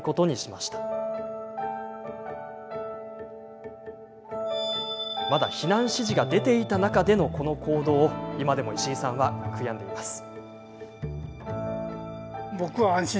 まだ避難指示が出ていた中でのこの行動を今でも石井さんは悔やんでいます。